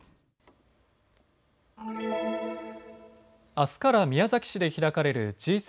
あすから宮崎市で開かれるＧ７